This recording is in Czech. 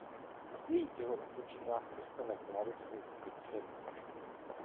Její tělo odpočívá v kostele Klarisek v Brixenu.